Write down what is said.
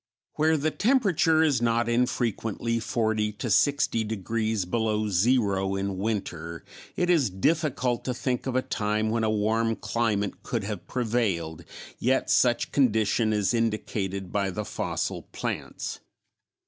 Where the temperature is not infrequently forty to sixty degrees below zero in winter, it is difficult to think of a time when a warm climate could have prevailed, yet such condition is indicated by the fossil plants.